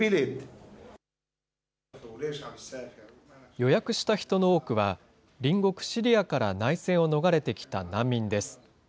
予約した人の多くは、隣国シリアから内戦を逃れてきた難民です。